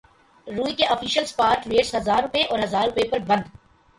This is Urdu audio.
روئی کے افیشل اسپاٹ ریٹس ہزار روپے اور ہزار روپے پر بند